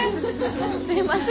すいません。